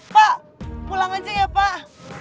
pak pulang aja ya pak